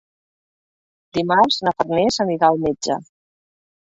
Dimarts na Farners anirà al metge.